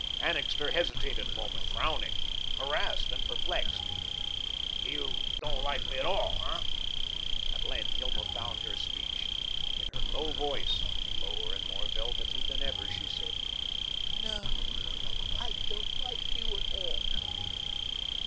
Annixter hesitated a moment, frowning, harassed and perplexed. "You don't like me at all, hey?" At length Hilma found her speech. In her low voice, lower and more velvety than ever, she said: "No I don't like you at all."